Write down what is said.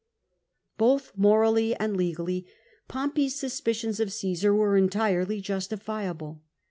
Both morally and legally Pompey's suspicions of Caesar were entirely justifiable.